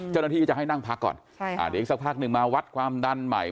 เจ้าหน้าที่ก็จะให้นั่งพักก่อนเดี๋ยวอีกสักพักหนึ่งมาวัดความดันใหม่